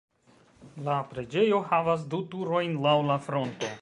La preĝejo havas du turojn laŭ la fronto.